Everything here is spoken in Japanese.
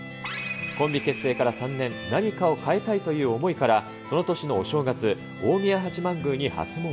コンビ結成から３年、何かを変えたいという思いからその年のお正月、大宮八幡宮に初詣。